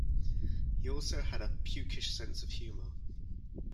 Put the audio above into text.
He also had a puckish sense of humour.